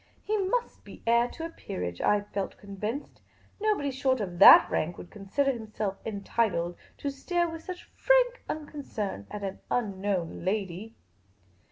He must be heir to a peerage, I felt convinced ; no body short of that rank would consider himself entitled to stare with such frank unconcern at an unknown lady.